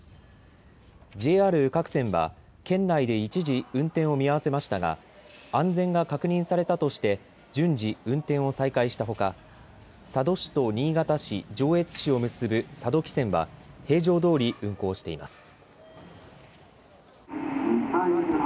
ＪＲ各線は県内で一時、運転を見合わせましたが安全が確認されたとして順次、運転を再開したほか、佐渡市と新潟市、上越市を結ぶ佐渡汽船は平常どおり運航しています。